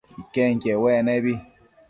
Iquenquiec uec nebi